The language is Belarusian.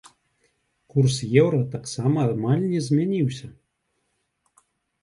Курс еўра таксама амаль не змяніўся.